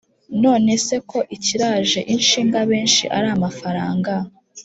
none se ko ikiraje ishinga benshi ari amafaranga